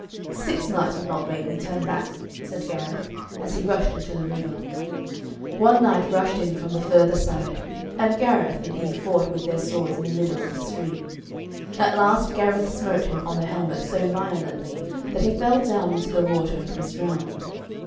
'Six knights would not make me turn back,' said Gareth, as he rushed into the river. One knight rushed in from the further side, and Gareth and he fought with their swords in the middle of the stream. At last Gareth smote him on the helmet so violently that he fell down into the water and was drowned.